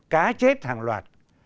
cá chết hàng loạt